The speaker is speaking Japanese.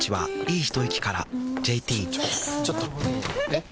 えっ⁉